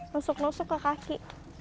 nusuk nusuk ke kaki